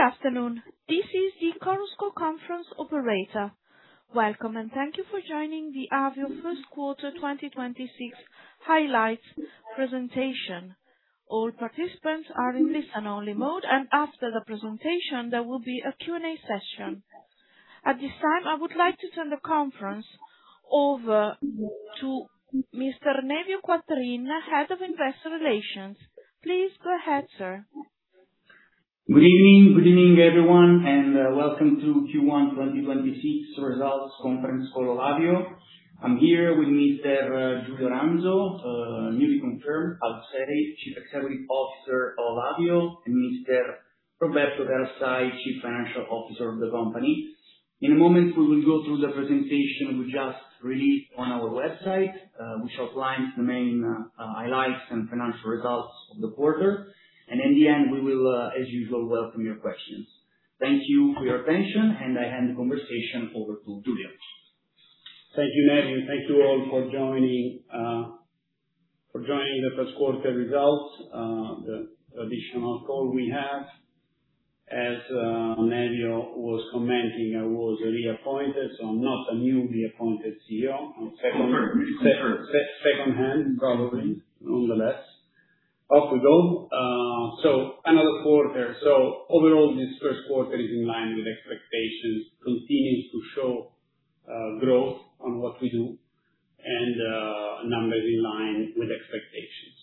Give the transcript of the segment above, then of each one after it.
Good afternoon. This is the Chorus Call Conference operator. Welcome. Thank you for joining the Avio first quarter 2026 highlights presentation. All participants are in listen only mode. After the presentation, there will be a Q&A session. At this time, I would like to turn the conference over to Mr. Nevio Quattrin, Head of Investor Relations. Please go ahead, sir. Good evening. Good evening, everyone, welcome to Q1 2026 results conference call Avio. I'm here with Mr. Giulio Ranzo, newly confirmed outside Chief Executive Officer of Avio, and Mr. Roberto Carassai, Chief Financial Officer of the company. In a moment, we will go through the presentation we just released on our website, which outlines the main highlights and financial results of the quarter. In the end, we will, as usual, welcome your questions. Thank you for your attention, and I hand the conversation over to Giulio. Thank you, Nevio. Thank you all for joining the first quarter results, the traditional call we have. As Nevio was commenting, I was reappointed, so I'm not a newly appointed CEO. Confirmed. Confirmed. Secondhand, probably, nonetheless. Off we go. Another quarter. Overall, this first quarter is in line with expectations, continues to show growth on what we do and numbers in line with expectations.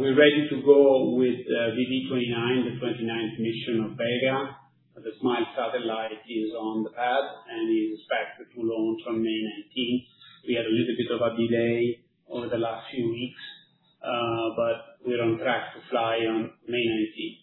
We're ready to go with VV29, the 29th mission of Vega. The SMILE satellite is on the pad and is expected to launch on May 19th. We had a little bit of a delay over the last few weeks, but we're on track to fly on May 19th.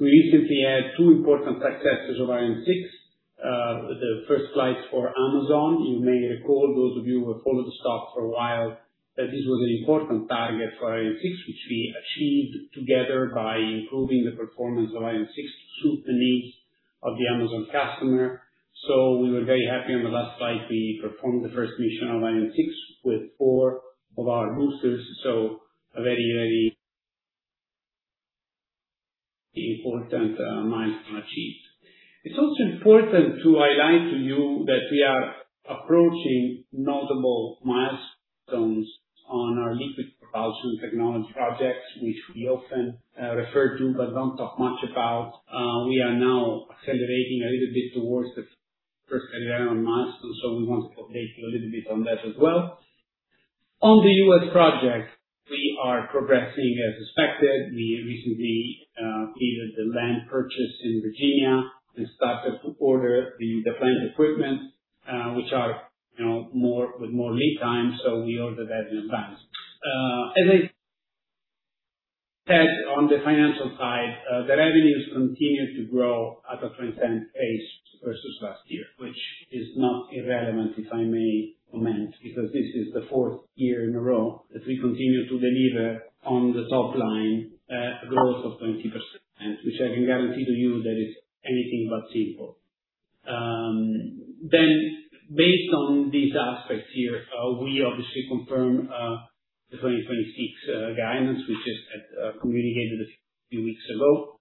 We recently had two important successes of Ariane 6. The first flights for Amazon. You may recall, those of you who have followed the stock for a while, that this was an important target for Ariane 6, which we achieved together by improving the performance of Ariane 6 to suit the needs of the Amazon customer. We were very happy on the last flight. We performed the first mission of A6 with four of our boosters. A very important milestone achieved. It's also important to highlight to you that we are approaching notable milestones on our liquid propulsion technology projects, which we often refer to, but don't talk much about. We are now accelerating a little bit towards the first career milestone. We want to update you a little bit on that as well. On the U.S. project, we are progressing as expected. We recently either the land purchase in Virginia and started to order the plant equipment, which are, you know, with more lead time. We ordered that in advance. As I said, on the financial side, the revenues continue to grow at a 20% pace versus last year, which is not irrelevant, if I may comment, because this is the fourth year in a row that we continue to deliver on the top line, growth of 20%, which I can guarantee to you that is anything but simple. Based on these aspects here, we obviously confirm the 2026 guidance, which is communicated a few weeks ago.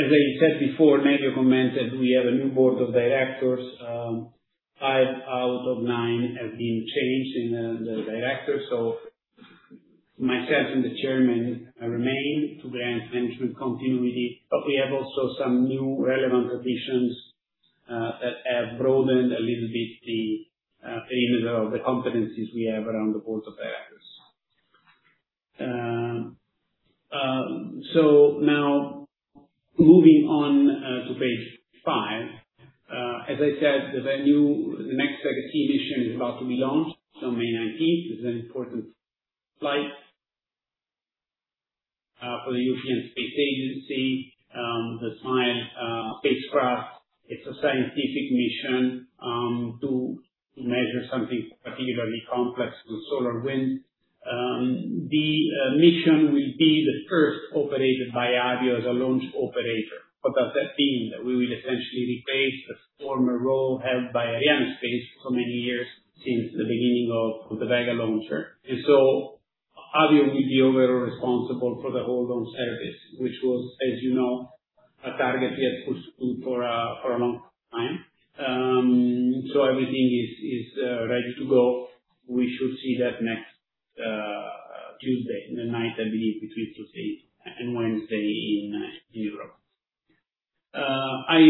As I said before, Nevio commented we have a new board of directors. five out of nine have been changed in the directors. Myself and the chairman remain to grant management continuity. We have also some new relevant additions that have broadened a little bit the level of the competencies we have around the board of directors. Now moving on to page five. As I said, the next Vega-C mission is about to be launched on May 19th. It's an important flight for the European Space Agency. The SMILE spacecraft. It's a scientific mission to measure something particularly complex with solar wind. The mission will be the first operated by Avio as a launch operator. What does that mean? That we will essentially replace the former role held by Arianespace for many years, since the beginning of the Vega launcher. Avio will be overall responsible for the whole launch service, which was, as you know, a target we have pursued for a long time. Everything is ready to go. We should see that next Tuesday night, I believe, between two and three, and Wednesday in Europe. I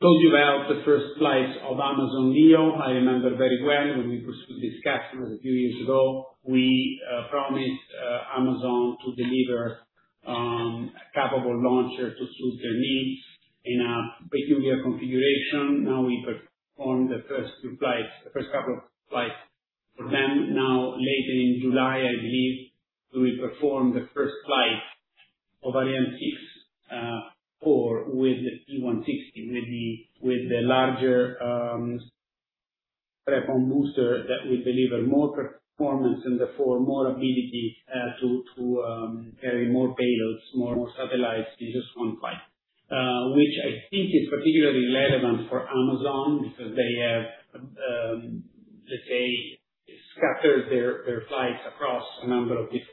told you about the first flights of Amazon LEO. I remember very well when we pursued this customer a few years ago. We promised Amazon to deliver a capable launcher to suit their needs in a peculiar configuration. Now we performed the first two flights, the first couple of flights for them. Later in July, I believe, we will perform the first flight of Ariane 64 with the P160C, with the larger booster that will deliver more performance and therefore more ability to carry more payloads, more satellites in just one flight. Which I think is particularly relevant for Amazon because they have, after their flights across a number of different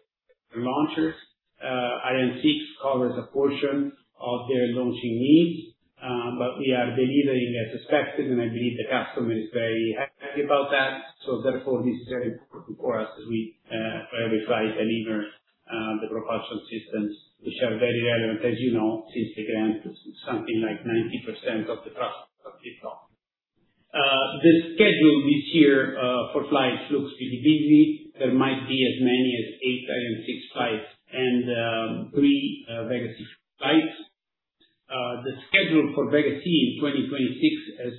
launchers, Ariane 6 covers a portion of their launching needs, but we are delivering as expected, and I believe the customer is very happy about that. Therefore, this is very important for us as every flight delivers the propulsion systems which are very relevant, as you know, since they grant something like 90% of the thrust of each launch. The schedule this year for flights looks pretty busy. There might be as many as eight Ariane 6 flights and three Vega-C flights. The schedule for Vega-C in 2026 has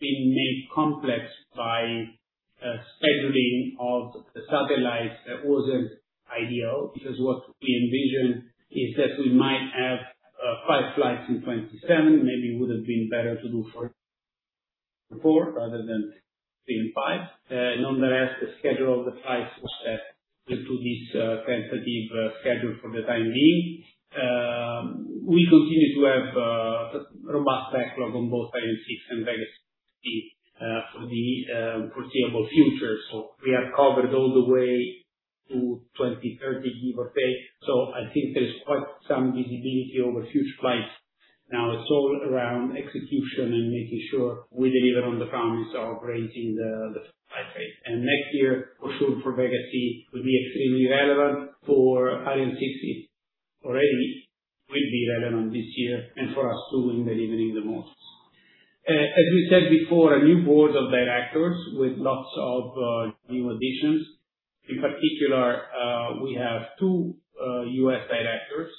been made complex by scheduling of the satellites that wasn't ideal. What we envision is that we might have five flights in 2027, maybe would have been better to do four rather than three and five. Nonetheless, the schedule of the flights was set into this tentative schedule for the time being. We continue to have a robust backlog on both Ariane 6 and Vega-C for the foreseeable future. We are covered all the way to 2030, give or take. I think there's quite some visibility over future flights. It's all around execution and making sure we deliver on the promise of raising the flight rate. Next year, for sure, for Vega-C will be extremely relevant. For Ariane 6, already will be relevant this year and for us too. We said before, a new board of directors with lots of new additions. In particular, we have two U.S. directors,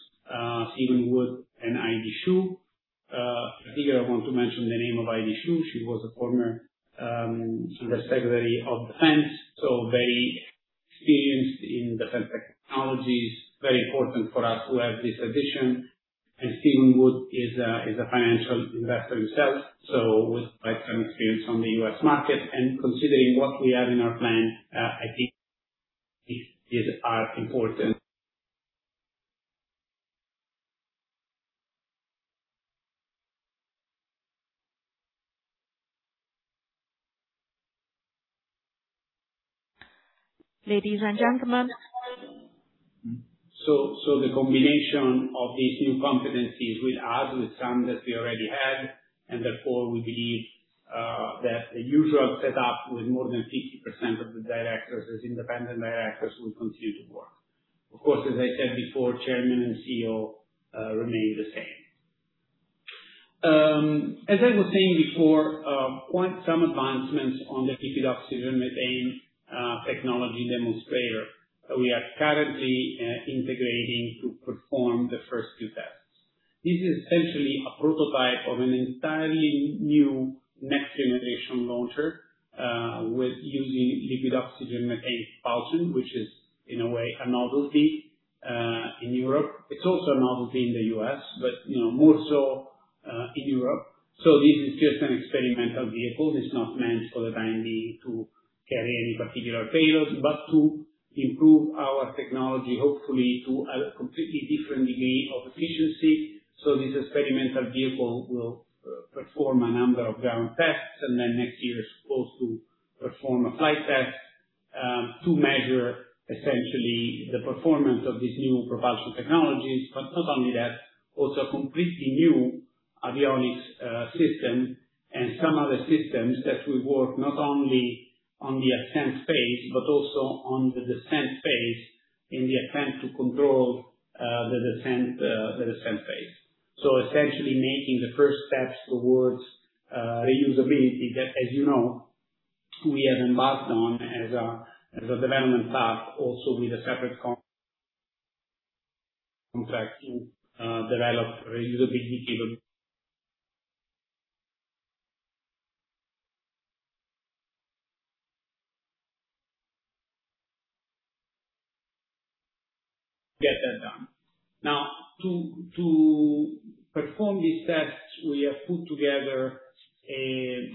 Steven Wood and Heidi Shyu. I think I want to mention the name of Heidi Shyu. She was a former Secretary of Defense, very experienced in defense technologies. Very important for us to have this addition. Steven Wood is a financial investor himself, with quite some experience on the U.S. market. Considering what we have in our plan, I think these are important. Ladies and gentlemen. The combination of these new competencies will add to the sum that we already had. Therefore, we believe that the usual setup with more than 50% of the directors as independent directors will continue to work. Of course, as I said before, chairman and CEO remain the same. As I was saying before, quite some advancements on the liquid oxygen methane technology demonstrator that we are currently integrating to perform the first two tests. This is essentially a prototype of an entirely new next-generation launcher, with using liquid oxygen methane propulsion, which is, in a way, a novelty in Europe. It's also a novelty in the U.S., but, you know, more so in Europe. This is just an experimental vehicle. It's not meant for the time being to carry any particular payloads, but to improve our technology, hopefully, to a completely different degree of efficiency. This experimental vehicle will perform a number of ground tests, and then next year is supposed to perform a flight test to measure essentially the performance of these new propulsion technologies. Not only that, also a completely new avionics system and some other systems that will work not only on the ascent phase, but also on the descent phase in the attempt to control the descent phase. Essentially making the first steps towards reusability that, as you know, we have embarked on as a development path, also with a separate contract to develop reusability get that done. To perform these tests, we have put together an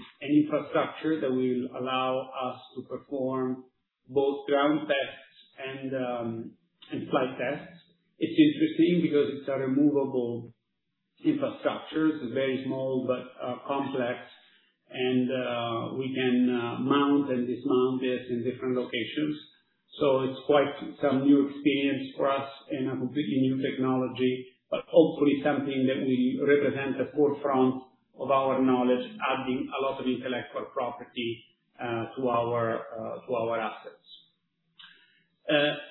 infrastructure that will allow us to perform both ground tests and flight tests. It's interesting because it's a removable infrastructure. It's very small but complex and we can mount and dismount this in different locations. It's quite some new experience for us in a completely new technology, but hopefully something that will represent the forefront of our knowledge, adding a lot of intellectual property to our assets.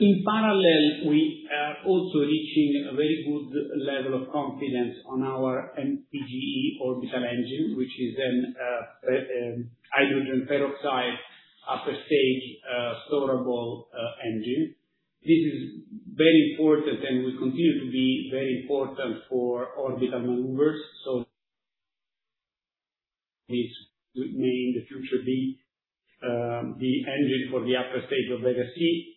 In parallel, we are also reaching a very good level of confidence on our MPGE orbital engine, which is a hydrogen peroxide upper stage, storable engine. This is very important and will continue to be very important for orbital maneuvers. This may in the future be the engine for the upper stage of Vega-C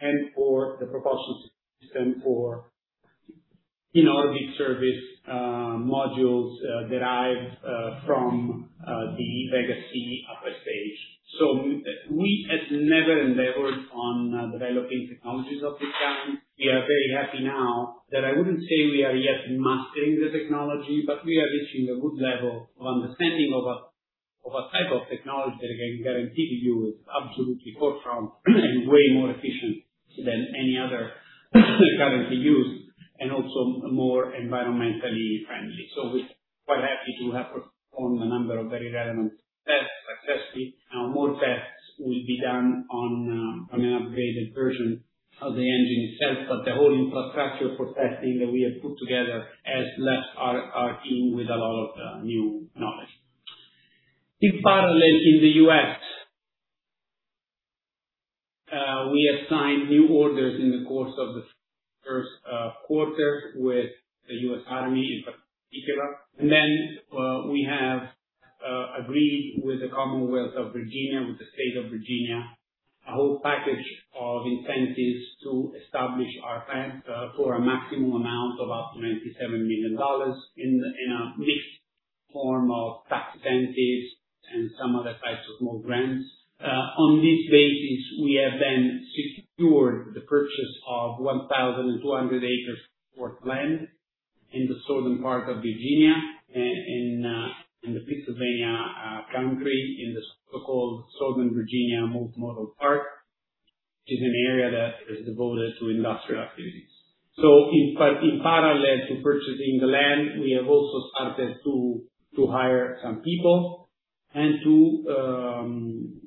and for the propulsion system for in-orbit service modules derived from the Vega-C upper stage. We as never developing technologies of the time. We are very happy now that I wouldn't say we are yet mastering the technology, but we are reaching a good level of understanding of a type of technology that I can guarantee to you is absolutely forefront and way more efficient than any other currently used, and also more environmentally friendly. We're quite happy to have performed a number of very relevant tests successfully. Now, more tests will be done on on an upgraded version of the engine itself, but the whole infrastructure for testing that we have put together has left our team with a lot of new knowledge. In parallel, in the U.S., we have signed new orders in the course of the first quarter with the United States Army in particular. Then, we have agreed with the Commonwealth of Virginia, with the State of Virginia, a whole package of incentives to establish our plant for a maximum amount of up to $97 million in a mixed form of tax incentives and some other types of small grants. On this basis, we have then secured the purchase of 1,200 acres of land in the southern part of Virginia and in the Pittsylvania County, in the so-called Southern Virginia Multimodal Park. It is an area that is devoted to industrial activities. In parallel to purchasing the land, we have also started to hire some people and to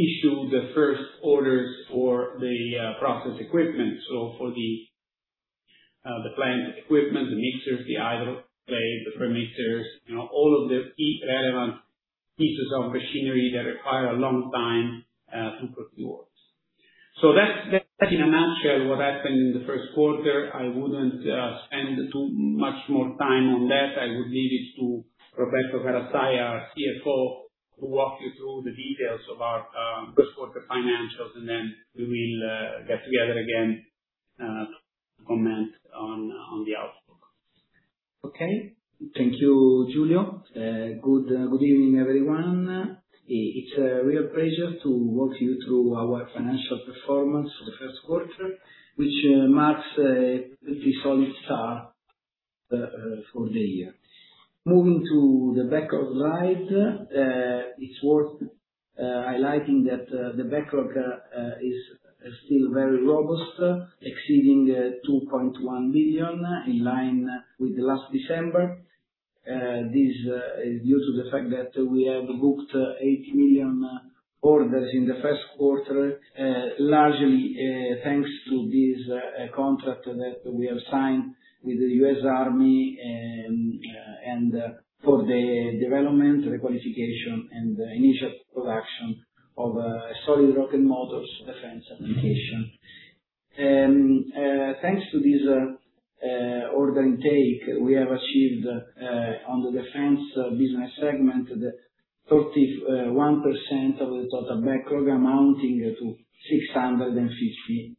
issue the first orders for the process equipment. For the plant equipment, the mixers, the idle blades, the pyrometers, you know, all of the key relevant pieces of machinery that require a long time to procure. That's in a nutshell what happened in the first quarter. I wouldn't spend too much more time on that. I would leave it to Roberto Carassai, our CFO, to walk you through the details of our first quarter financials, and then we will get together again to comment on the outlook. Okay. Thank you, Giulio. Good evening, everyone. It's a real pleasure to walk you through our financial performance for the first quarter, which marks a pretty solid start for the year. Moving to the backlog slide, it's worth highlighting that the backlog is still very robust, exceeding 2.1 billion, in line with the last December. This is due to the fact that we have booked 8 million orders in the first quarter, largely thanks to this contract that we have signed with the U.S. Army and for the development, the qualification, and the initial production of solid rocket motors defense application. Thanks to this order intake, we have achieved on the defense business segment, 31% of the total backlog amounting to 650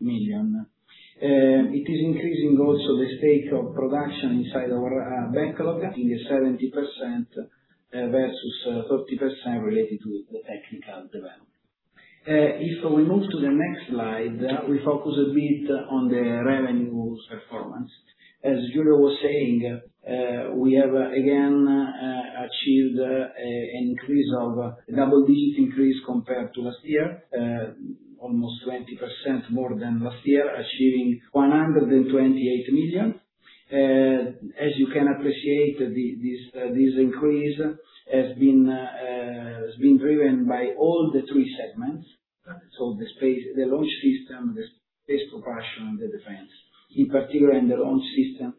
million. It is increasing also the stake of production inside our backlog in the 70% versus 30% related to the technical development. If we move to the next slide, we focus a bit on the revenue's performance. As Giulio was saying, we have again achieved an increase of double digits increase compared to last year. Almost 20% more than last year, achieving 128 million. As you can appreciate, this increase has been driven by all the three segments. The space, the launch system, the space propulsion, and the defense. In particular, in the launch system,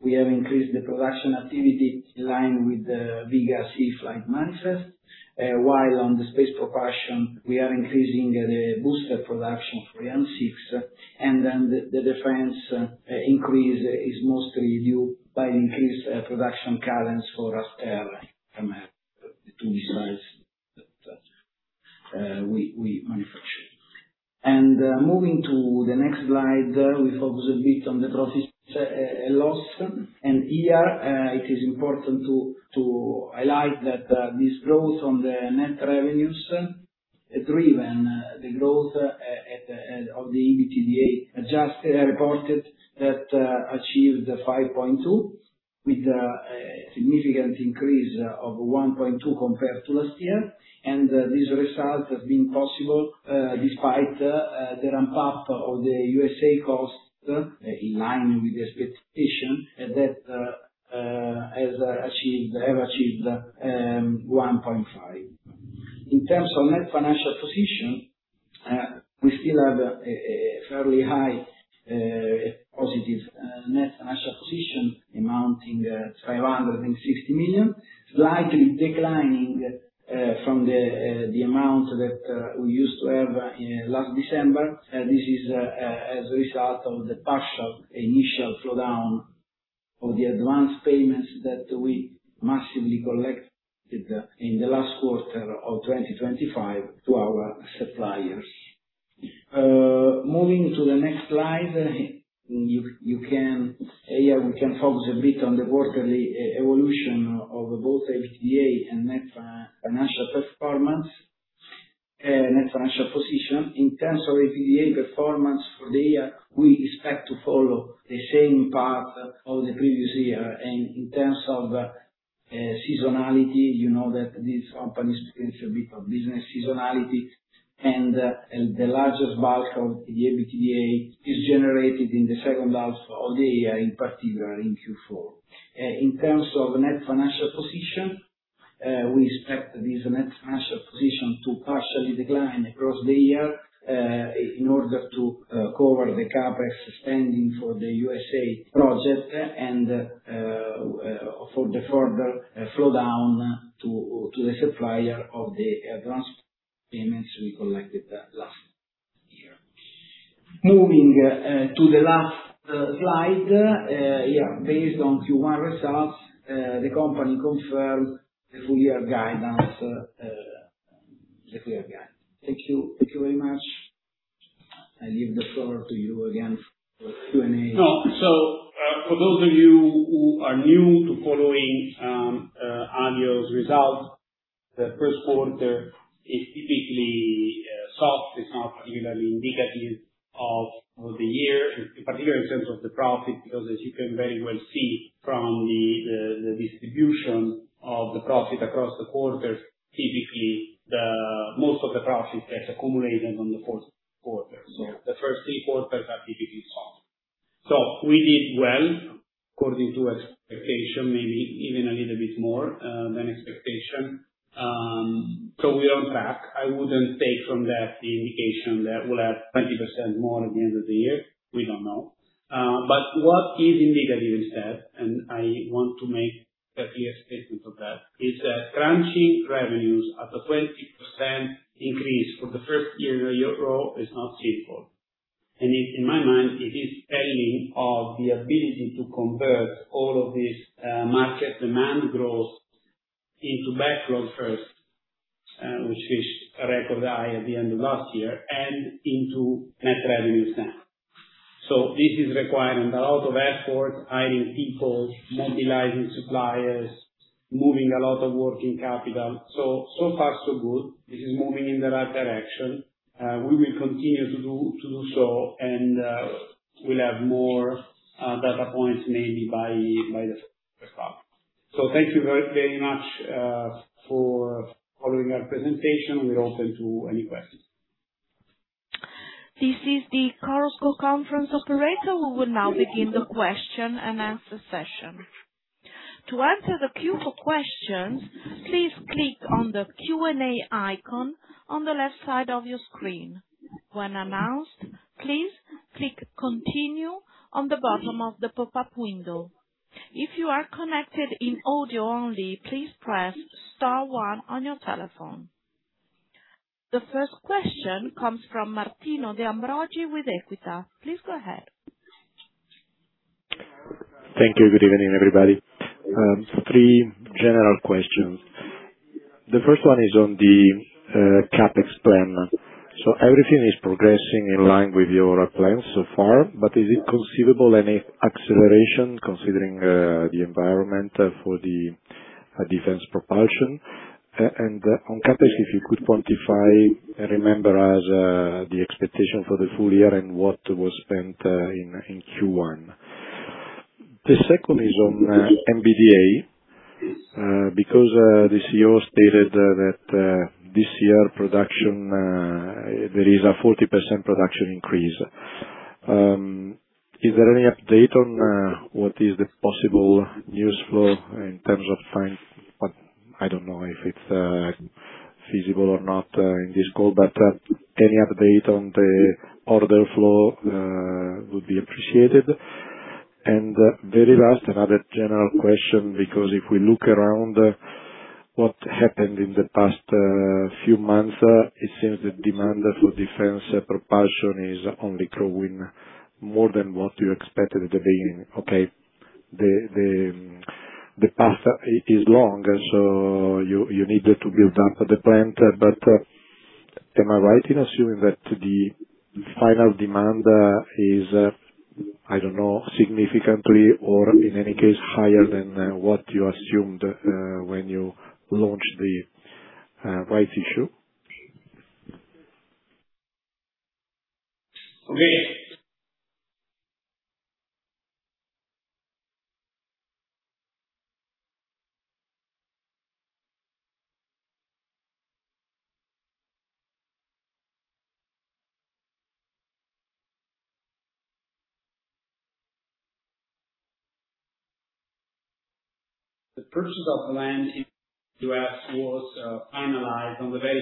we have increased the production activity in line with the Vega-C flight manifest. While on the space propulsion, we are increasing the booster production for Ariane 6. The defense increase is mostly due by increased production cadence for Aster 30 that we manufacture. Moving to the next slide, we focus a bit on the profit and loss. Here, it is important to highlight that this growth on the net revenues has driven the growth of the EBITDA adjusted reported that achieved 5.2 with a significant increase of 1.2 compared to last year. This result has been possible despite the ramp-up of the USA costs in line with the expectation that have achieved 1.5. In terms of net financial position, we still have a fairly high positive net financial position amounting 560 million. Slightly declining from the amount that we used to have in last December. This is as a result of the partial initial slowdown of the advanced payments that we massively collected in the last Q4 of 2025 to our suppliers. Moving to the next slide, here we can focus a bit on the quarterly evolution of both EBITDA and net financial position. In terms of EBITDA performance for the year, we expect to follow the same path of the previous year. In terms of seasonality, you know that this company is potential bit of business seasonality. The largest bulk of the EBITDA is generated in the second half of the year, in particular in Q4. In terms of net financial position, we expect this net financial position to partially decline across the year, in order to cover the CapEx spending for the U.S.A. project and for the further flow down to the supplier of the advanced payments we collected last year. Moving to the last slide. Yeah, based on Q1 results, the company confirms the full year guidance, the clear guide. Thank you. Thank you very much. I leave the floor to you again for Q&A. No. For those of you who are new to following Avio's results, the first quarter is typically soft. It's not particularly indicative of the year, in particular in terms of the profit, because as you can very well see from the distribution of the profit across the quarters, typically the most of the profit gets accumulated on the fourth quarter. The first three quarters are typically soft. We did well according to expectation, maybe even a little bit more than expectation. We're on track. I wouldn't take from that the indication that we'll have 20% more at the end of the year. We don't know. What is indicative instead, and I want to make a clear statement of that, is that crunching revenues at a 20% increase for the 1st year-over-year is not simple. In my mind, it is telling of the ability to convert all of this market demand growth into backlogs 1st, which is a record high at the end of last year and into net revenue spend. This is requiring a lot of effort, hiring people, mobilizing suppliers, moving a lot of working capital. So far so good. This is moving in the right direction. We will continue to do so, we'll have more data points maybe by the 1st half. Thank you very much for following our presentation. We're open to any questions. The first question comes from Martino De Ambrogi with Equita. Please go ahead. Thank you. Good evening, everybody. Three general questions. The first one is on the CapEx plan. Everything is progressing in line with your plans so far, but is it conceivable any acceleration considering the environment for the defense propulsion? On CapEx, if you could quantify, remember as the expectation for the full year and what was spent in Q1. The second is on MBDA, because the CEO stated that this year production, there is a 40% production increase. Is there any update on what is the possible news flow in terms of I don't know if it's feasible or not in this call, but any update on the order flow would be appreciated. Very last, another general question, because if we look around what happened in the past few months, it seems the demand for defense propulsion is only growing more than what you expected at the beginning. Okay. The path is long, so you needed to build up the plant. Am I right in assuming that the final demand is, I don't know, significantly or in any case higher than what you assumed when you launched the rights issue? Okay. The purchase of land in U.S. was finalized on the very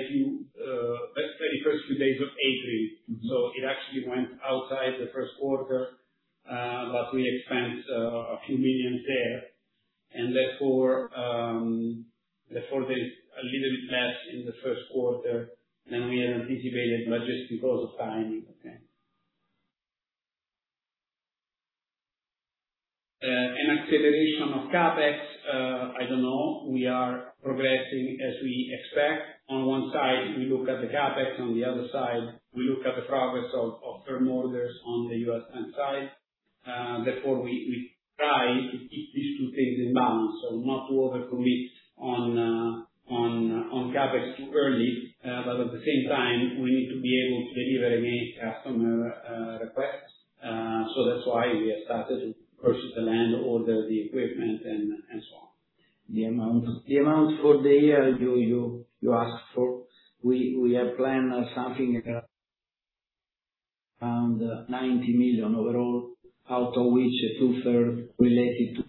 first few days of April. It actually went outside the first quarter, but we expensed a few million EUR there. Therefore, there is a little bit less in the first quarter than we had anticipated, but just because of timing. Acceleration of CapEx, I don't know. We are progressing as we expect. On one side, we look at the CapEx, on the other side, we look at the progress of firm orders on the U.S. end side. Therefore, we try to keep these two things in balance. Not to overcommit on CapEx too early, but at the same time, we need to be able to deliver against customer requests. That's why we have started to purchase the land, order the equipment and so on. The amount? The amount for the year you asked for, we have planned something around 90 million overall, out of which two-thirds related to.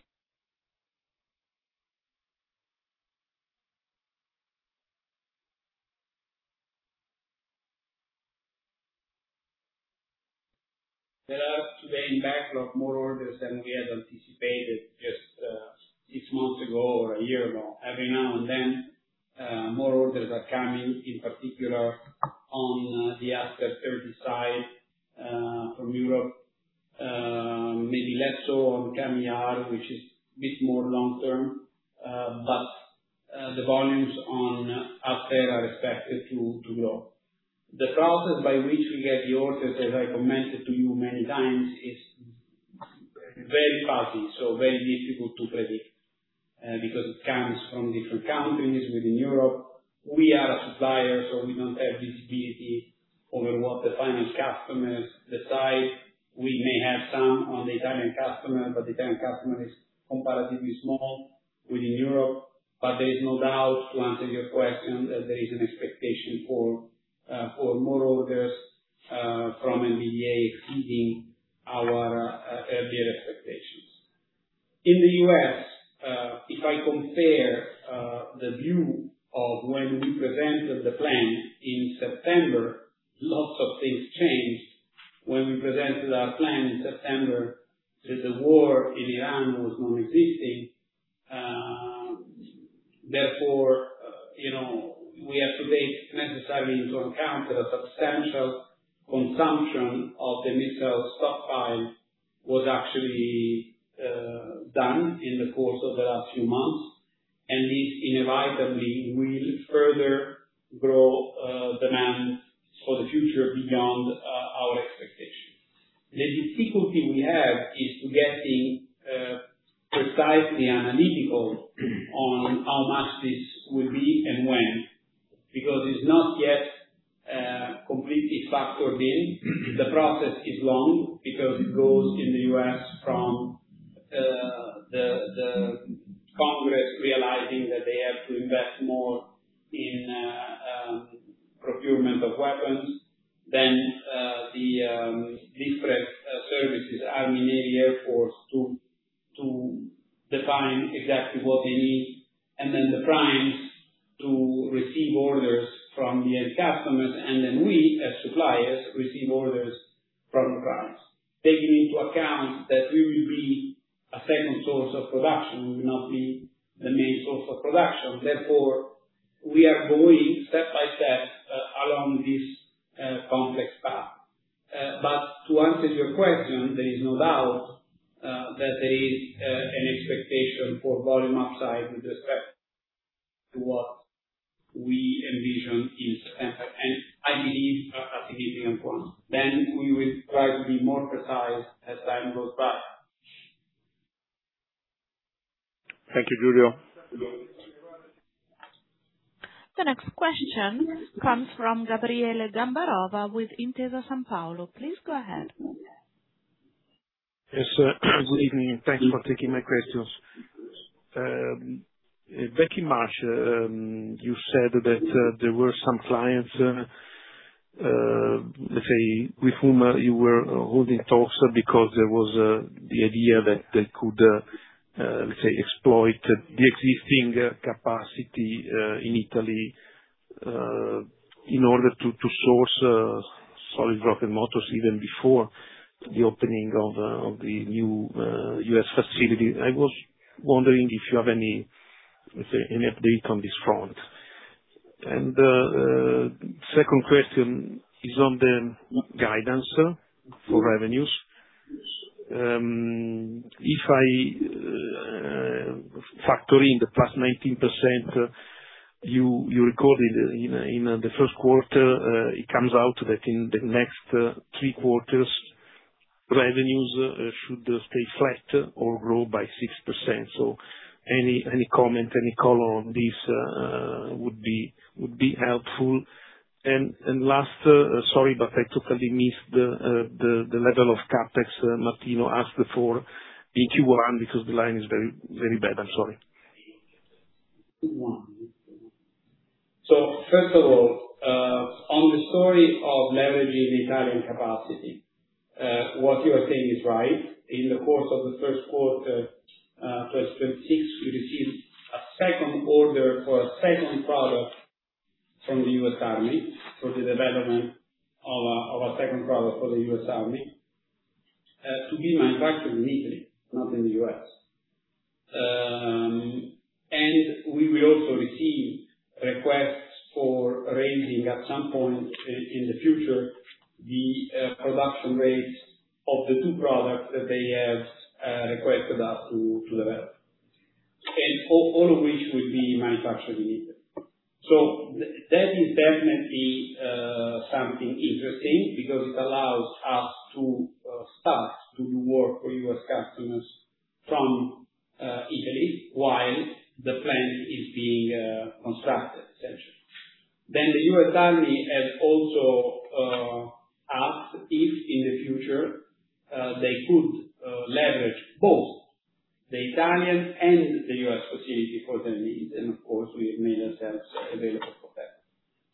There are today in backlog more orders than we had anticipated just six months ago or a year ago. Every now and then, more orders are coming, in particular on the ASQ-30 side, from Europe. Maybe less so on GAMIM-ER, which is a bit more long term. The volumes on ASQ are expected to grow. The process by which we get the orders, as I commented to you many times, is very patchy, so very difficult to predict, because it comes from different countries within Europe. We are a supplier, so we don't have visibility over what the finance customers decide. We may have some on the Italian customer, but Italian customer is comparatively small within Europe. There is no doubt, to answer your question, that there is an expectation for more orders from MBDA exceeding our earlier expectations. In the U.S., if I compare the view of when we presented the plan in September, lots of things changed. When we presented our plan in September, so the war in Ukraine was non-existing. Therefore, you know, we have to take necessarily into account that a substantial consumption of the missile stockpile was actually done in the course of the last few months. This inevitably will further grow demand for the future beyond our expectations. The difficulty we have is to getting precisely analytical on how much this will be and when, because it's not yet completely factored in. The process is long because it goes in the U.S. from the Congress realizing that they have to invest more in procurement of weapons than the different services, Army, Navy, Air Force, to define exactly what they need. Then the primes to receive orders from the end customers, then we, as suppliers, receive orders from the primes. Taking into account that we will be a second source of production. We will not be the main source of production. Therefore, we are going step by step along this complex path. To answer your question, there is no doubt that there is an expectation for volume upside with respect to what we envisioned in September, and I believe a significant one. We will try to be more precise as time goes by. Thank you, Giulio. You're welcome. The next question comes from Gabriele Gambarova with Intesa Sanpaolo. Please go ahead. Yes, sir. Good evening. Thanks for taking my questions. Back in March, you said that there were some clients, let's say, with whom you were holding talks because there was the idea that they could, let's say, exploit the existing capacity in Italy in order to source solid rocket motors even before the opening of the new U.S. facility. I was wondering if you have any, let's say, any update on this front. Second question is on the guidance, sir, for revenues. If I factor in the +19% you recorded in the first quarter, it comes out that in the next three quarters, revenues should stay flat or grow by 6%. Any comment, any color on this would be helpful. Last, sorry, but I totally missed the level of CapEx Martino asked for in Q1 because the line is very bad. I am sorry. First of all, on the story of leveraging Italian capacity, what you are saying is right. In the course of the first quarter, 26, we received a second order for a second product from the U.S. Army for the development of a second product for the U.S. Army, to be manufactured in Italy, not in the U.S. We will also receive requests for raising at some point in the future, the production rates of the 2 products that they have requested us to develop. All of which will be manufactured in Italy. That is definitely something interesting because it allows us to start to do work for U.S. customers from Italy while the plant is being constructed, essentially. The U.S. Army has also asked if in the future they could leverage both the Italian and the U.S. facility for their needs, and of course, we have made ourselves available for that.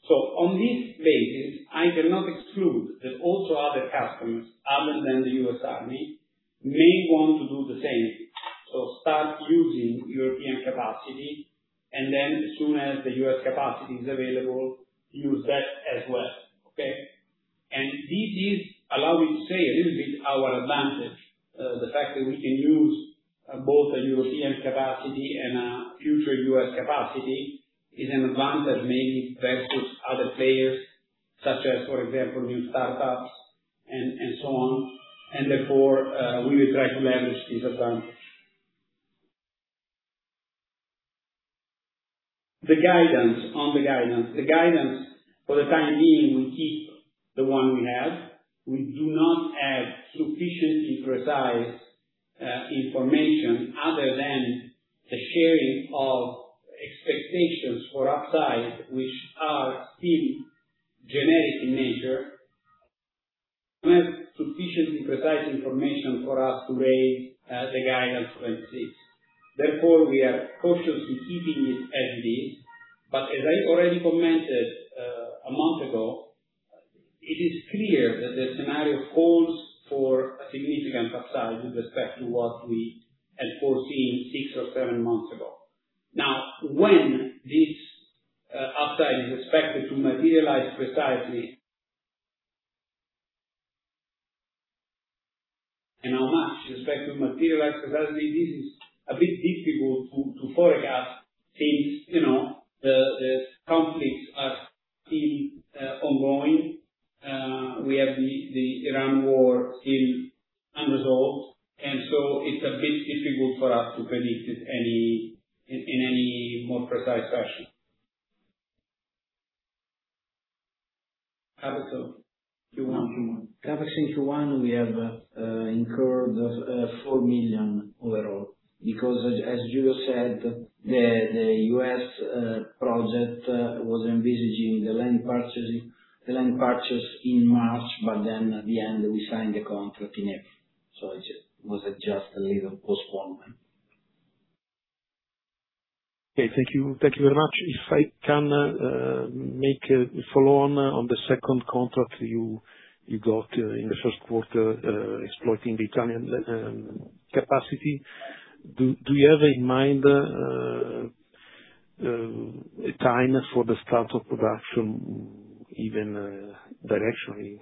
On this basis, I cannot exclude that also other customers other than the U.S. Army may want to do the same. Start using European capacity and as soon as the U.S. capacity is available, use that as well. Okay? This is allowing, say, a little bit our advantage. The fact that we can use both the European capacity and future U.S. capacity is an advantage maybe versus other players such as, for example, new startups and so on. Therefore, we will try to leverage this advantage. The guidance. On the guidance. The guidance for the time being will keep the one we have. We do not have sufficiently precise information other than the sharing of expectations for upside, which are still generic in nature. We have sufficiently precise information for us to raise the guidance 26. Therefore, we are cautiously keeping it as it is. As I already commented, a month ago, it is clear that the scenario calls for a significant upside with respect to what we had foreseen six or seven months ago. Now, when this upside is expected to materialize precisely, how much it's expected to materialize precisely, this is a bit difficult to forecast since, you know, the conflicts are still ongoing. We have the Iran war still unresolved, it's a bit difficult for us to predict it any, in any more precise fashion. CapEx. Q1. CapEx Q1, we have incurred 4 million overall because as Giulio said, the U.S. project was envisaging the land purchase in March. At the end, we signed the contract in April. It was just a little postponement. Okay. Thank you. Thank you very much. If I can make a follow on the second contract you got in the Q1, exploiting the Italian capacity. Do you have in mind a time for the start of production even directionally?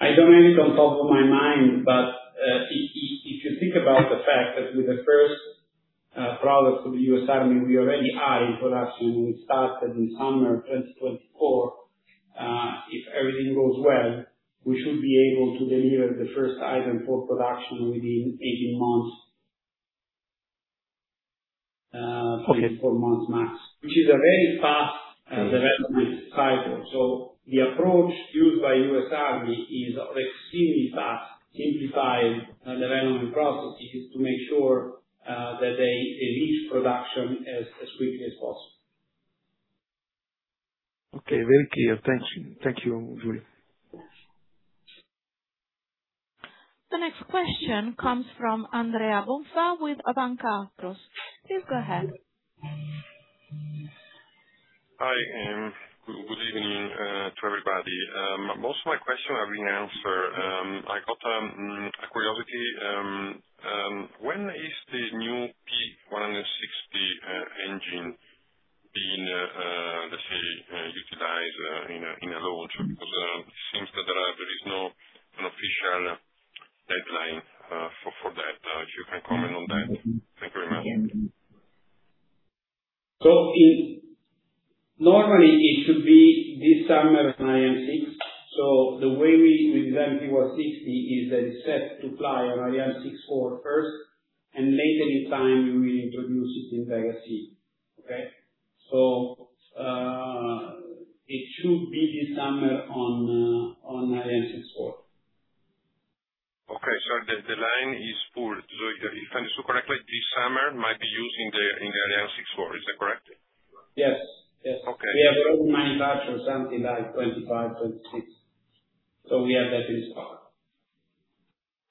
I don't have it on top of my mind, but if you think about the fact that with the first products to the U.S. Army, we already are in production. We started in summer 2024. If everything goes well, we should be able to deliver the first item for production within 18 months. Okay. 24 months max, which is a very fast development cycle. The approach used by U.S. Army is extremely fast, simplified development processes to make sure that they reach production as quickly as possible. Okay. Very clear. Thank you. Thank you, Giulio. The next question comes from Andrea Bonfà with Banca Akros. Please go ahead. Hi, good evening to everybody. Most of my question have been answered. I got a curiosity. When is the new P160C engine being, let's say, utilized in a launch? Because it seems that there is no official deadline for that. If you can comment on that. Thank you very much. Normally, it should be this summer on Ariane 6. The way we designed P160C is that it's set to fly on Ariane 64 first, and later in time we will introduce it in Vega-C. Okay? It should be this summer on Ariane 64. Okay. The line if I understand correctly, this summer might be used in the Ariane 64. Is that correct? Yes. Yes. Okay. We have already manufactured something like 25, 26. We have that in stock.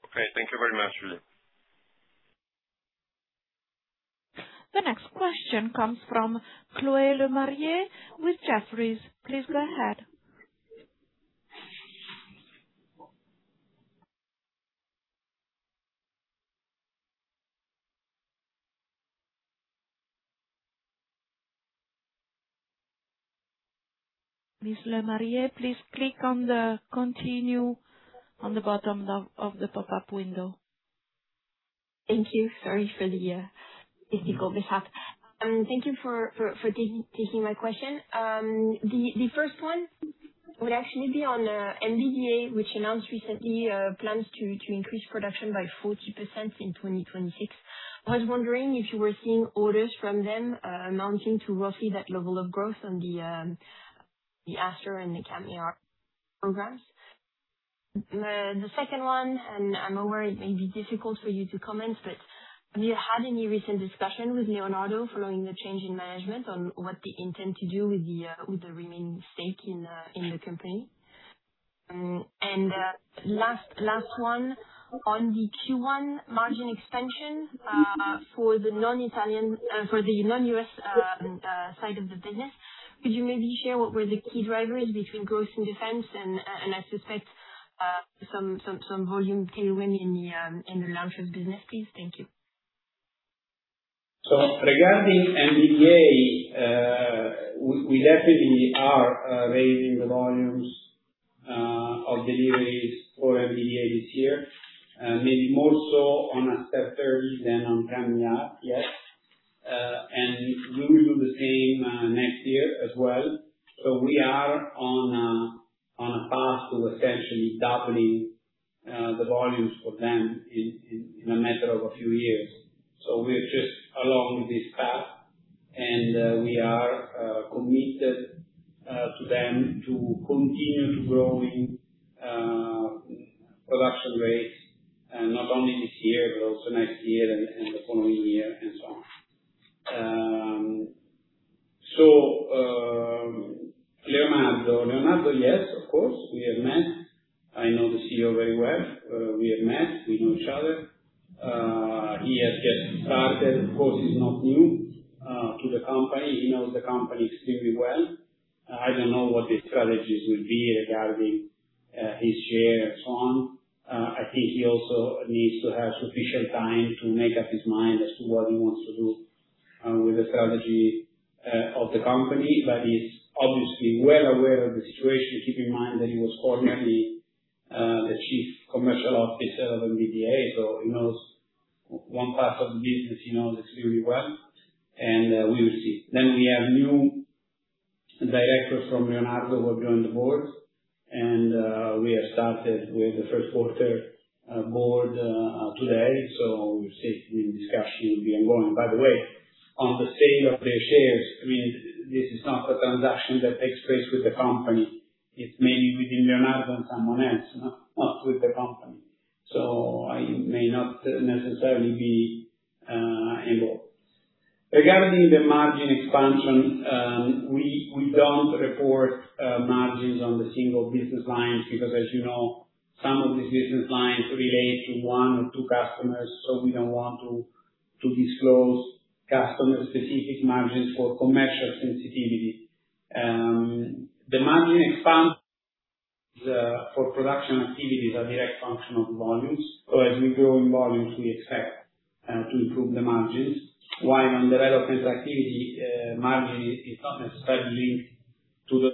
Okay. Thank you very much, Giulio. The next question comes from Chloé Lemarié with Jefferies. Please go ahead. Miss Lemarié, please click on the continue on the bottom of the pop-up window. Thank you. Sorry for the technical mishap. Thank you for taking my question. The first one would actually be on MBDA, which announced recently plans to increase production by 40% in 2026. I was wondering if you were seeing orders from them amounting to roughly that level of growth on the Aster and the CAMM-ER programs. The second one, and I'm aware it may be difficult for you to comment, but have you had any recent discussion with Leonardo following the change in management on what they intend to do with the remaining stake in the company? Last one. On the Q1 margin expansion, for the non-Italian for the non-U.S. side of the business, could you maybe share what were the key drivers between growth and defense and I suspect, some volume tailwind in the launcher business, please? Thank you. Regarding MBDA, we definitely are raising the volumes of deliveries for MBDA this year. Maybe more so on Aster 30s than on CAMM-ER yet. We will do the same next year as well. We are on a path to essentially doubling the volumes for them in a matter of a few years. We are just along this path, and we are committed to them to continue to growing production rates not only this year, but also next year and the following year, and so on. Leonardo. Leonardo yes, of course, we have met. I know the CEO very well. We have met. We know each other. He has just started. Of course, he's not new to the company. He knows the company extremely well. I don't know what his strategies will be regarding his share and so on. I think he also needs to have sufficient time to make up his mind as to what he wants to do with the strategy of the company. He's obviously well aware of the situation. Keep in mind that he was formerly the chief commercial officer of MBDA, so he knows one part of the business, he knows extremely well. We will see. We have new director from Leonardo who joined the board, and we have started with the first quarter board today. We'll see if the discussion will be ongoing. By the way, on the sale of their shares, I mean, this is not a transaction that takes place with the company. It's mainly within Leonardo and someone else, not with the company. I may not necessarily be involved. Regarding the margin expansion, we don't report margins on the single business lines because as you know, some of these business lines relate to one or two customers, so we don't want to disclose customer-specific margins for commercial sensitivity. The margin expansion for production activity is a direct function of volumes. As we grow in volumes, we expect to improve the margins. While on the relevant activity, margin is not necessarily linked to the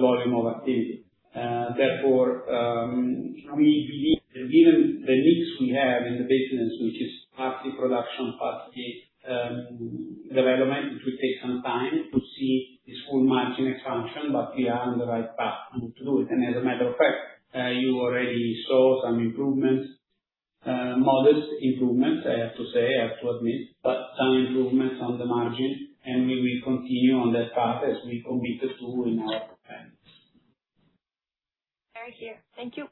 volume of activity. Therefore, we believe that given the mix we have in the business, which is partly production, partly development, it will take some time to see this full margin expansion, but we are on the right path to do it. As a matter of fact, you already saw some improvements, modest improvements, I have to say, I have to admit, but some improvements on the margins, and we will continue on that path as we committed to in our plans. Very clear. Thank you.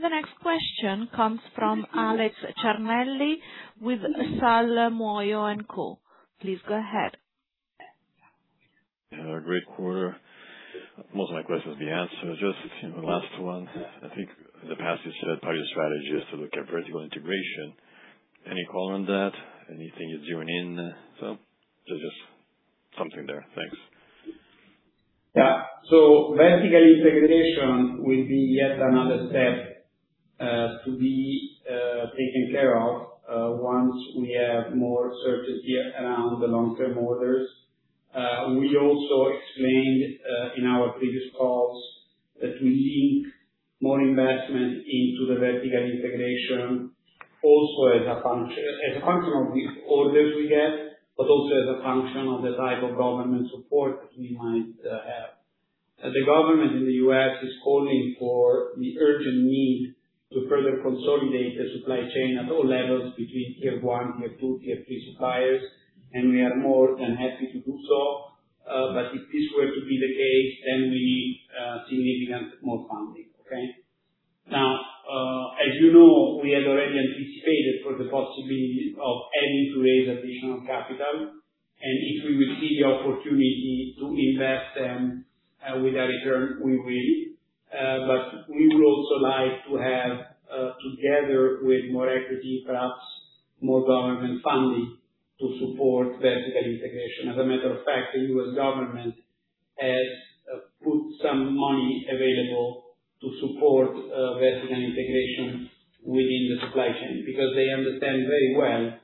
The next question comes from [Alex Cernelli with Sal.Moio & Co]. Please go ahead. Great quarter. Most of my questions have been answered. Just, you know, last one. I think in the past you said part of your strategy is to look at vertical integration. Any call on that? Anything you're doing in, just something there. Thanks. Yeah. Vertical integration will be yet another step to be taken care of once we have more certainty around the long term orders. We also explained in our previous calls that we link more investment into the vertical integration also as a function of the orders we get, but also as a function of the type of government support we might have. As the government in the U.S. is calling for the urgent need to further consolidate the supply chain at all levels between tier 1, tier 2, tier 3 suppliers, and we are more than happy to do so. If this were to be the case, then we need significant more funding. Okay. Now, as you know, we had already anticipated for the possibility of having to raise additional capital, and if we will see the opportunity to invest them, with a return, we will. We would also like to have, together with more equity, perhaps more government funding. Vertical integration. ]As a matter of fact, the U.S. government has put some money available to support vertical integration within the supply chain because they understand very well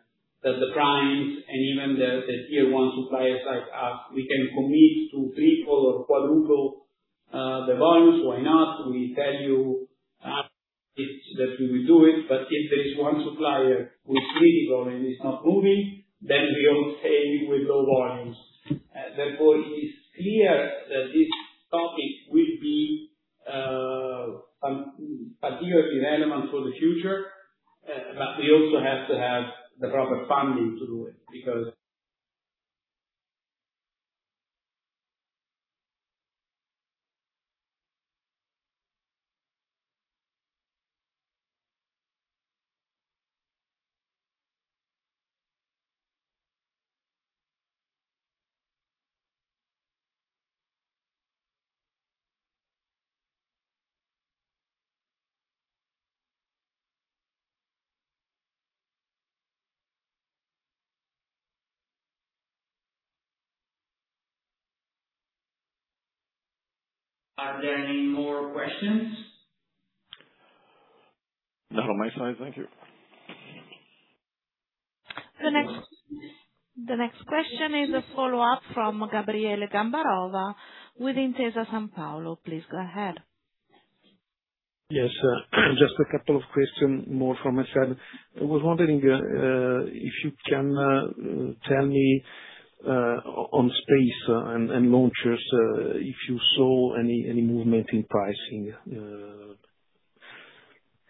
that the primes and even the tier 1 suppliers like us, we can commit to triple or quadruple the volumes. Why not? We tell you, it's that we will do it, but if there is one supplier who is critical and is not moving, then we all stay with low volumes. Therefore, it is clear that this topic will be particularly relevant for the future. We also have to have the proper funding to do it. Are there any more questions? Not on my side. Thank you. The next question is a follow-up from Gabriele Gambarova with Intesa Sanpaolo. Please go ahead. Yes, just a couple of question more from my side. I was wondering, if you can tell me on space and launchers, if you saw any movement in pricing,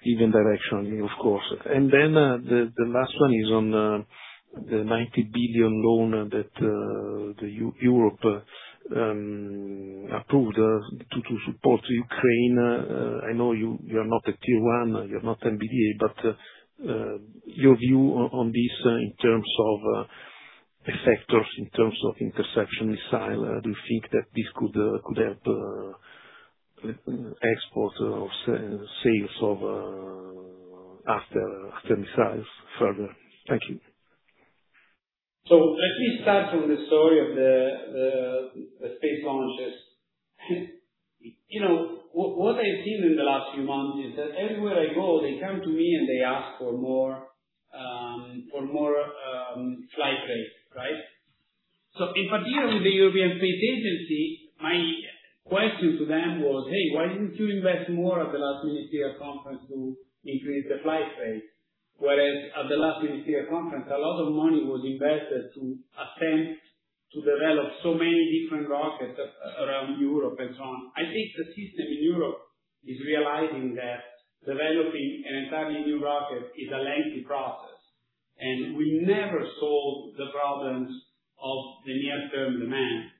given direction, of course. The last one is on the 90 billion loan that Europe approved to support Ukraine. I know you are not a tier one, you're not MBDA, but your view on this in terms of effectors, in terms of interception missile. Do you think that this could help export of sales of Aster missiles further? Thank you. Let me start from the story of the space launches. You know, what I've seen in the last few months is that everywhere I go, they come to me, and they ask for more, for more flight rates, right? In particular with the European Space Agency, my question to them was, "Hey, why didn't you invest more at the last ministerial conference to increase the flight rates?" Whereas at the last ministerial conference, a lot of money was invested to attempt to develop so many different rockets around Europe and so on. I think the system in Europe is realizing that developing an entirely new rocket is a lengthy process, and we never solve the problems of the near-term demand.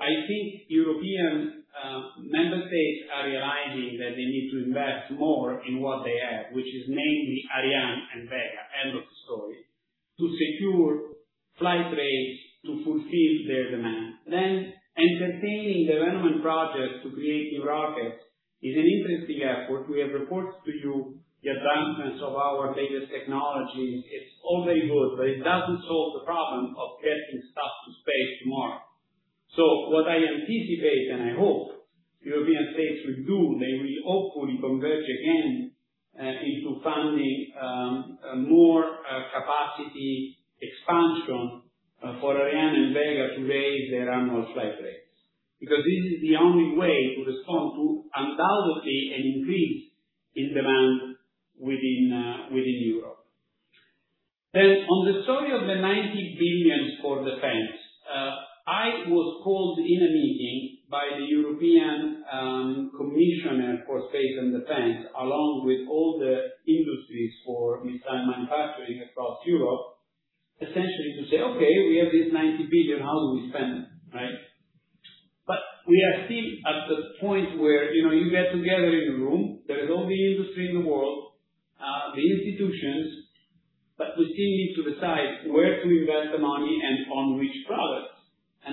I think European member states are realizing that they need to invest more in what they have, which is mainly Ariane and Vega, end of story, to secure flight rates to fulfill their demand. Entertaining development projects to create new rockets is an interesting effort. We have reported to you the advancements of our latest technologies. It's all very good, but it doesn't solve the problem of getting stuff to space tomorrow. What I anticipate, and I hope European states will do, they will hopefully converge again into funding more capacity expansion for Ariane and Vega to raise their annual flight rates. This is the only way to respond to undoubtedly an increase in demand within Europe. On the story of the 90 billion for defense, I was called in a meeting by the European Commissioner for Space and Defense, along with all the industries for missile manufacturing across Europe, essentially to say, "Okay, we have this 90 billion. How do we spend it?" Right. We are still at the point where, you know, you get together in a room, there is all the industry in the world, the institutions, but we still need to decide where to invest the money and on which products.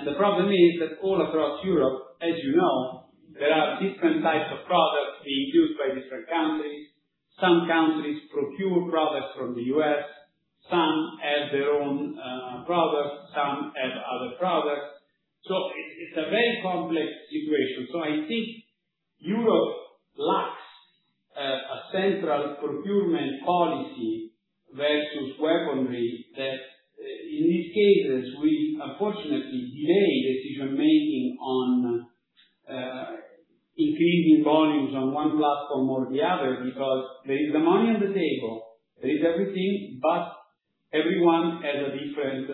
The problem is that all across Europe, as you know, there are different types of products being used by different countries. Some countries procure products from the U.S., some have their own products, some have other products. It's a very complex situation. I think Europe lacks a central procurement policy versus weaponry that in these cases, we unfortunately delay decision-making on increasing volumes on one platform or the other because there is the money on the table, there is everything, but everyone has a different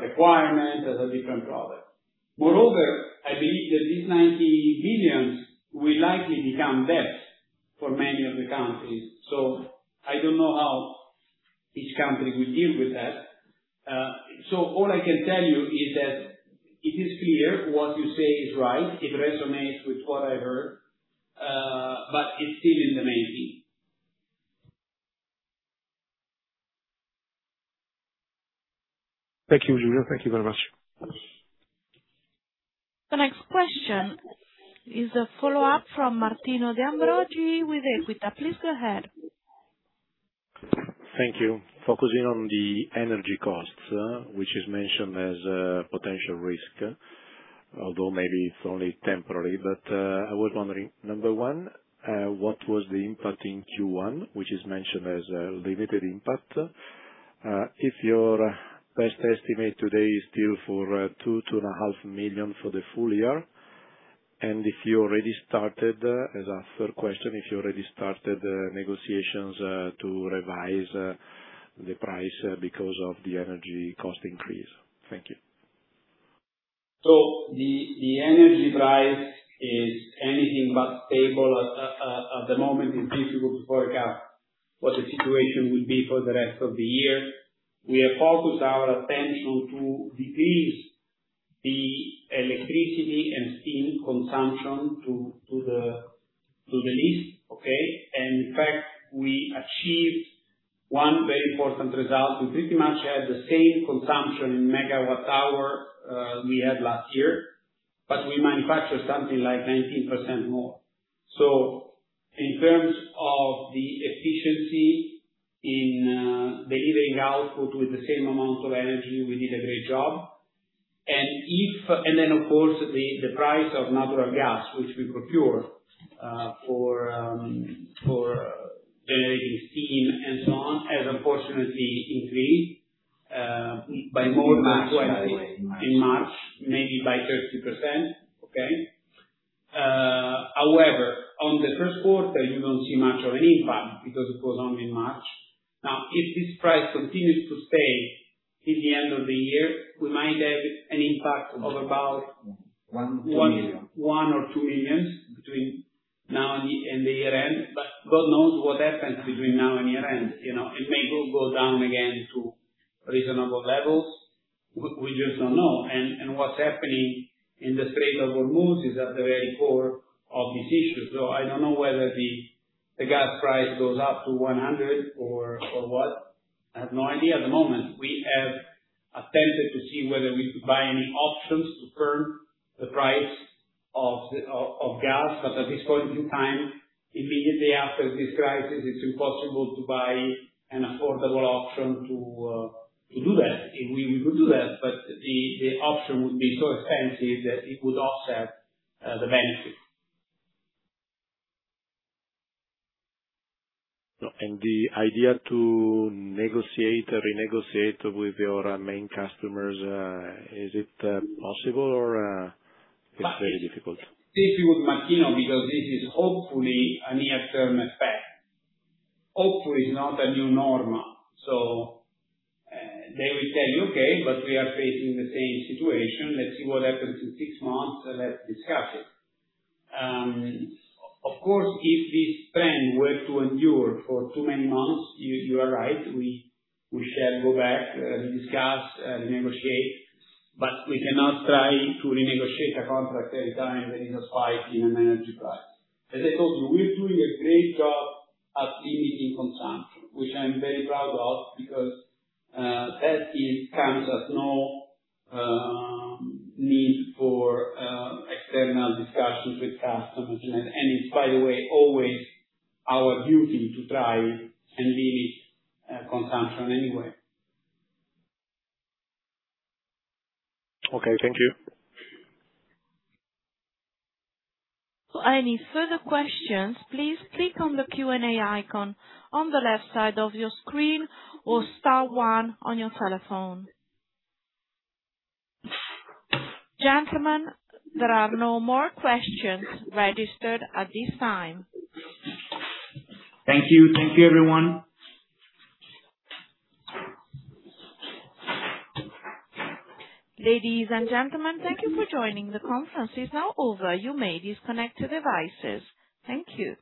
requirement, has a different product. Moreover, I believe that this 90 billion will likely become debt for many of the countries. I don't know how each country will deal with that. All I can tell you is that it is clear what you say is right. It resonates with what I heard. But it's still in the making. Thank you, Giulio. Thank you very much. The next question is a follow-up from Martino De Ambrogi with Equita. Please go ahead. Thank you. Focusing on the energy costs, which is mentioned as a potential risk, although maybe it's only temporary. I was wondering, number 1, what was the impact in Q1, which is mentioned as a limited impact? If your best estimate today is still for 2 million-2.5 million for the full year, and if you already started, as a 3rd question, if you already started negotiations to revise the price because of the energy cost increase. Thank you. The energy price is anything but stable at the moment. It's difficult to forecast what the situation will be for the rest of the year. We have focused our attention to decrease the electricity and steam consumption to the least. In fact, we achieved 1 very important result. We pretty much had the same consumption in megawatt hour we had last year, but we manufactured something like 19% more. In terms of the efficiency in delivering output with the same amount of energy, we did a great job. Of course, the price of natural gas, which we procure for generating steam and so on, has unfortunately increased by more than 20-. In March, by the way, in March. In March. Maybe by 30%. Okay? However, on the first quarter you don't see much of an impact because it goes on in March. Now, if this price continues to stay till the end of the year, we might have an impact of about. 1, 2 million. 1 or 2 million between now and the year end. God knows what happens between now and year end, you know? It may go down again to reasonable levels. We just don't know. What's happening in the trade of raw materials is at the very core of this issue. I don't know whether the gas price goes up to 100 or what. I have no idea at the moment. We have attempted to see whether we could buy any options to firm the price of the gas. At this point in time, immediately after this crisis, it's impossible to buy an affordable option to do that. If we would do that, but the option would be so expensive that it would offset the benefit. No. The idea to negotiate or renegotiate with your main customers, is it possible? it's very difficult? See, with Martino, because this is hopefully a near-term effect. Hopefully it's not a new normal. They will tell you, "Okay, but we are facing the same situation. Let's see what happens in six months, let's discuss it." Of course, if this trend were to endure for too many months, you are right, we shall go back, discuss, renegotiate. We cannot try to renegotiate a contract every time there is a spike in an energy price. As I told you, we're doing a great job at limiting consumption, which I'm very proud of because, that is, comes at no need for external discussions with customers. It's, by the way, always our duty to try and limit consumption anyway. Okay. Thank you. Gentlemen, there are no more questions registered at this time. Thank you. Thank you, everyone. Ladies and gentlemen, thank you for joining. The conference is now over. You may disconnect your devices. Thank you.